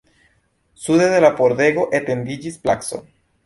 Sude de la pordego etendiĝis placo.